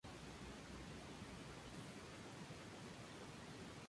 Se trata de un edificio sencillo de construcción muy posterior al cuerpo principal.